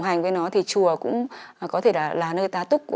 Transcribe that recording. nam mô a di đạo phật